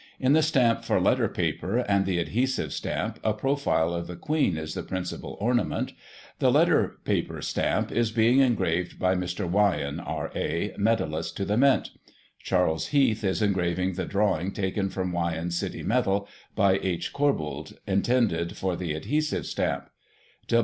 In the stamp for letter paper and the adhesive stamp, a profile of the Queen is the principal ornament. The letter paper stamp is being engraved by Mr. Wyon, R.A., medallist to the Mint. Charles Heath is engraving the drawing taken from Wyon's City medal, by H. Corbould, intended for the adhesive stamp.